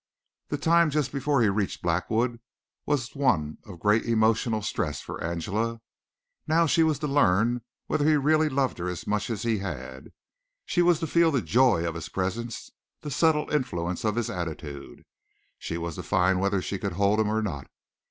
The time just before he reached Blackwood was one of great emotional stress for Angela. Now she was to learn whether he really loved her as much as he had. She was to feel the joy of his presence, the subtle influence of his attitude. She was to find whether she could hold him or not.